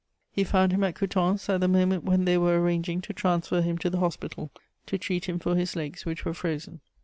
He found him at Coutances, at the moment when they were arranging to transfer him to the hospital, to treat him for his legs, which were frozen.